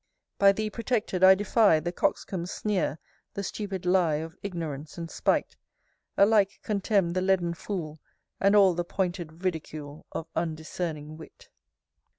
IX. By thee protected, I defy The coxcomb's sneer, the stupid lie Of ignorance and spite: Alike contemn the leaden fool, And all the pointed ridicule Of undiscerning wit.